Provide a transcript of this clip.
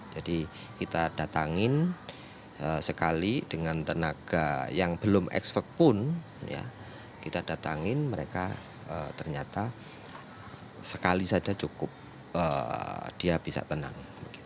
jadi kita datangin sekali dengan tenaga yang belum ekspek pun kita datangin mereka ternyata sekali saja cukup dia bisa tenang